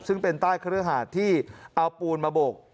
ซึ่งเป็นใต้คฤหาดที่เอาปูนมาโบก